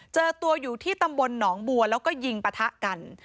เจอตัวอยู่ที่ตำบลหนองบัวแล้วก็ยิงปะทะกัน